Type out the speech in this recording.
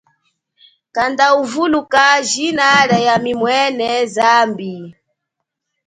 Kanda uvuluka jina lia yami mwene zambi.